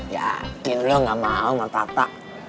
yakin lo gak mau sama tata